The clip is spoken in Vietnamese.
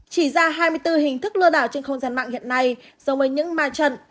chỉ ra hai mươi bốn hình thức lừa đảo trên không gian mạng hiện nay giống với những ma trận